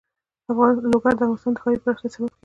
لوگر د افغانستان د ښاري پراختیا سبب کېږي.